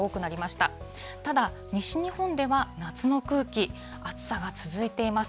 ただ、西日本では夏の空気、暑さが続いています。